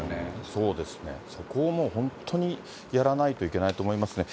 そうですね、そこをもう本当にやらないといけないと思いますね。